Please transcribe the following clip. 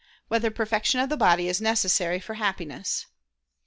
6] Whether Perfection of the Body Is Necessary for Happiness?